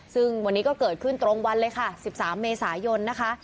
ซึ่งวันนี้ก็เกิดขึ้นตรงวันเลยค่ะ๑๓เมษายนนะคะ